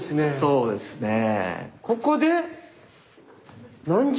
そうですねえ。